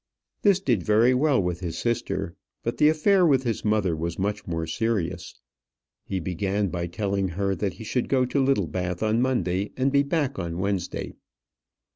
This did very well with his sister; but the affair with his mother was much more serious. He began by telling her that he should go to Littlebath on Monday, and be back on Wednesday.